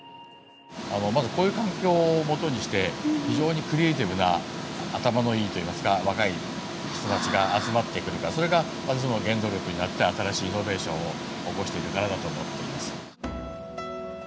まずこういう環境をもとにして非常にクリエイティブな頭のいいと言いますか若い人たちが集まってくるからそれが私どもの原動力になって新しいイノベーションを起こしているんじゃないかと思っています。